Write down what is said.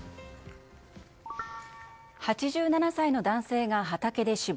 ８７歳の男性が畑で死亡。